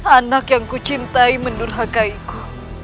anak yang ku cintai mendurhakaiku